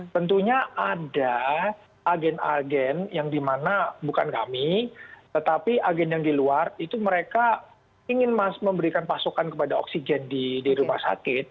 tentunya ada agen agen yang dimana bukan kami tetapi agen yang di luar itu mereka ingin memberikan pasokan kepada oksigen di rumah sakit